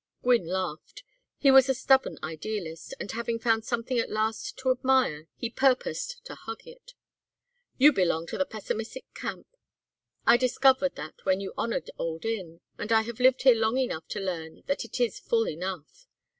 Gwynne laughed. He was a stubborn idealist, and having found something at last to admire he purposed to hug it. "You belong to the pessimistic camp. I discovered that when you honored Old Inn. And I have lived here long enough to learn that it is full enough.